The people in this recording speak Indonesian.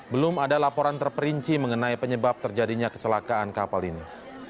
belum ada laporan terperinci mengenai penyebab terjadinya kecelakaan kapal ini